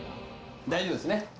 大丈夫ですね？